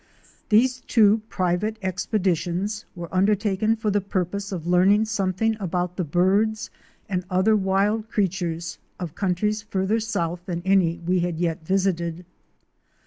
These two private expeditions were undertaken for the purpose of learning something about the birds and other wild creatures of countries further south than any we had yet visited.